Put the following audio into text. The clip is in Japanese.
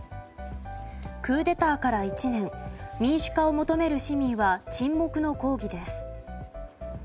クーデターから１年民主化を求める市民は沈黙の抗議です。